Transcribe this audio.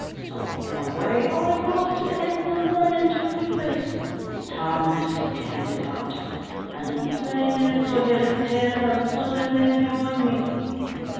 So away I goes to the end o' the line, an' took my place, detarmined to stand it out; and, in three minutes, I had a tail of a dozen men behind me.